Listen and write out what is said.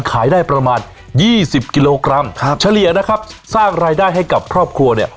ขายได้ประมาณยี่สิบกิโลกรัมครับเฉลี่ยนะครับสร้างรายได้ให้กับครอบครัวเนี่ย